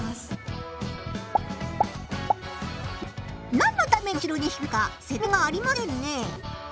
なんのために後ろに引くのか説明がありませんね。